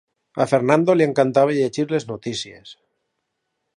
A Fernando li encantava llegir les notícies.